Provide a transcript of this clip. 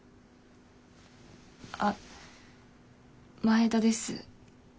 あっ前田です。